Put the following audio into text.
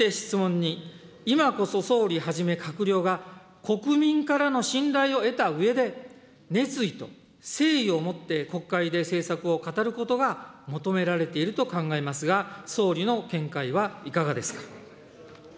２、今こそ総理はじめ閣僚が、国民からの信頼を得たうえで、熱意と誠意をもって国会で政策を語ることが求められていると考えますが、総理の見解はいかがですか。